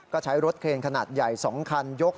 ก็ใช้รถเครนขนาดใหญ่๒คันยก